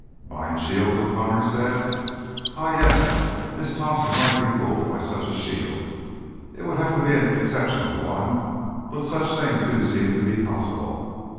"Mind shield?" O'Connor said. "Ah, yes. Miss Thompson might be fooled by such a shield. It would have to be an exceptional one, but such things do seem to be possible.